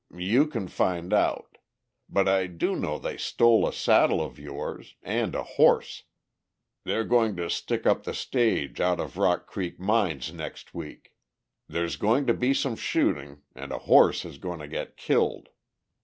"You can find out. But I do know they stole a saddle of yours, and a horse. They're going to stick up the stage out of Rock Creek Mines next week; there's going to be some shooting, and a horse is going to get killed.